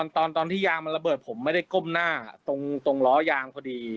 ตอนที่ยางมันระเบิดผมไม่ได้ก้มหน้าตรงล้อยางพอดี